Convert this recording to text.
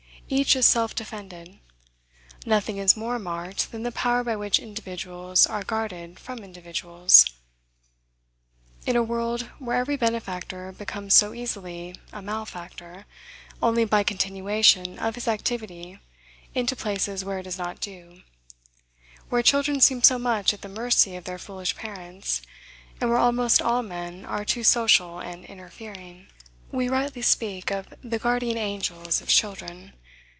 Each is self defended. Nothing is more marked than the power by which individuals are guarded from individuals, in a world where every benefactor becomes so easily a malefactor, only by continuation of his activity into places where it is not due; where children seem so much at the mercy of their foolish parents, and where almost all men are too social and interfering. We rightly speak of the guardian angels of children.